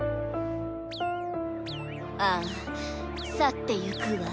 ああ去ってゆくわ。